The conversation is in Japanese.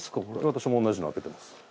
私も同じの開けてます。